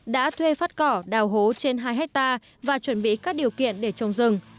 đã thuê phát cỏ đào hố trên hai hectare và chuẩn bị các điều kiện để trồng rừng